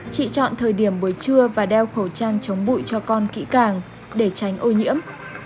chị chọn thời điểm buổi trưa và đeo khẩu trang chống bụi cho con kỹ càng để tránh ô nhiễm